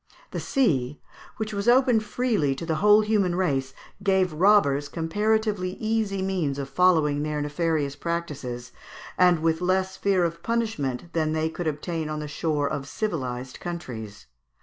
The sea, which was open freely to the whole human race, gave robbers comparatively easy means of following their nefarious practices, and with less fear of punishment than they could obtain on the shore of civilised countries.